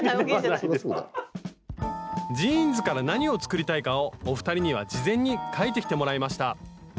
ジーンズから何を作りたいかをお二人には事前に描いてきてもらいました